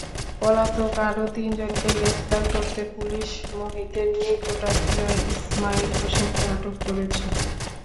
পলাতক আরও তিনজনকে গ্রেপ্তার করতে পুলিশ মুহিতের নিকটাত্মীয় ইসমাইল হোসেনকে আটক করেছে।